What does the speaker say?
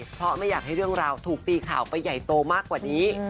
เพราะไม่อยากให้เรื่องราวถูกตีข่าวไปใหญ่โตมากกว่านี้